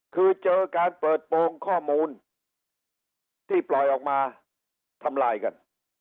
คือเจอการเปิดโปรงข้อมูลที่ปล่อยออกมาทำลายกัน